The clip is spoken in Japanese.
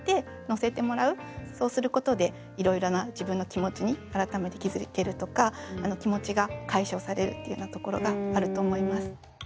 そうすることでいろいろな自分の気持ちに改めて気付けるとか気持ちが解消されるっていうようなところがあると思います。